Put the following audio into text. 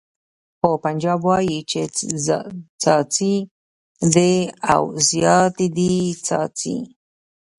خو پنجاب وایي چې څاڅي دې او زیاته دې څاڅي.